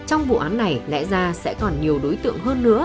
trong vụ án này lẽ ra sẽ còn nhiều đối tượng hơn nữa